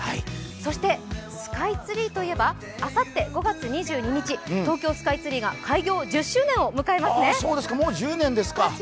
そしてスカイツリーといえばあさって５月２２日東京スカイツリーが開業１０周年を迎えますね。